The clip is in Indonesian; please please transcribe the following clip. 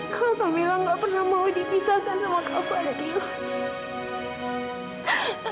kalau kak mila gak pernah mau dipisahkan sama kak fadil